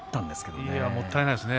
もったいないですね。